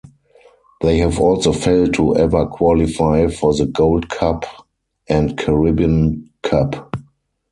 They have also failed to ever qualify for the Gold Cup and Caribbean Cup.